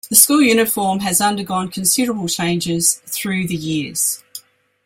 The school uniform has undergone considerable changes through the years.